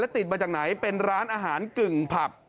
ติดมาจากไหนเป็นร้านอาหารกึ่งผับ